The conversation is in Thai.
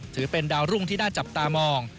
ถือเป็นดาวรุ่งที่น่าจับตามอง